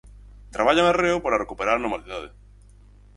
Traballan arreo para recuperar a normalidade.